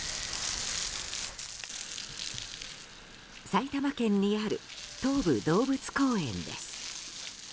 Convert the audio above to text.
埼玉県にある東武動物公園です。